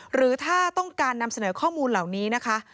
หรือถ้าต้องการนำเสนอข้อมูลเหล่านี้นะคะ